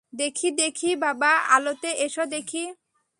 দেখি দেখি বাবা, আলোতে এসো দেখি।